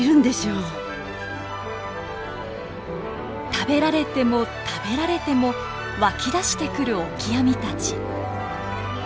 食べられても食べられても湧き出してくるオキアミたち。